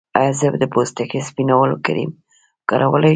ایا زه د پوستکي سپینولو کریم کارولی شم؟